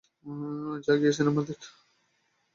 যা গিয়ে সিনেমা দেখ।